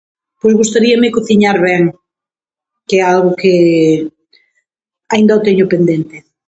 Pois gustaríame cociñar ben que é algo que aínda o teño pendente.